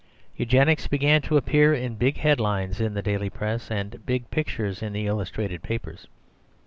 Eugenics began to appear in big headlines in the daily Press, and big pictures in the illustrated papers.